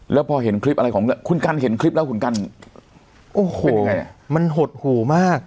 แล้วพอเห็นคลิปอะไรของคุณกันเห็นคลิปแล้วคุณกันโอ้โหเป็นยังไงอ่ะมันหดหูมาก